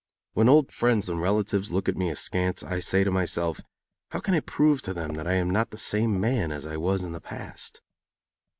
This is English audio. When old friends and relatives look at me askance I say to myself: "How can I prove to them that I am not the same as I was in the past?"